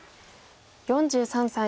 ４３歳。